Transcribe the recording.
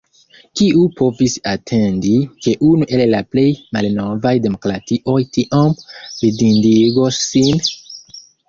Kiu povis atendi, ke unu el la plej malnovaj demokratioj tiom ridindigos sin?